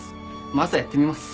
まずはやってみます。